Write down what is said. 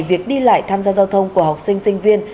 việc đi lại tham gia giao thông của học sinh sinh viên